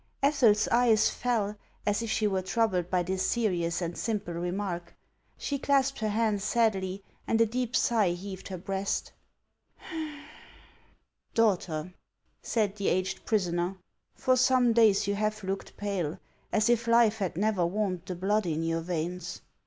Ethel's eyes fell, as if she were troubled by this serious and simple remark. She clasped her hands sadly, and a deep sigh heaved her breast. "Daughter." said the aged prisoner, "for some days you have looked pale, as if life had never warmed the blood in HANS OF ICELAND. 407 your veins.